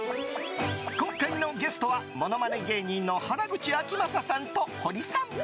今回のゲストはモノマネ芸人の原口あきまささんとホリさん。